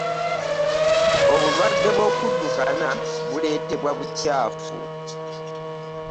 Obulwadde bw'okuddukana buleetebwa bukyafu.